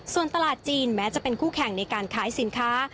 ส่วนตลาดจีนแม้จะเป็นคู่แข่งในการขายสินค้า